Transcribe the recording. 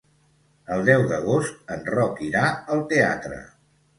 El deu d'agost en Roc irà al teatre.